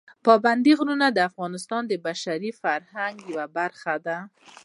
پابندي غرونه د افغانستان د بشري فرهنګ یوه برخه ده.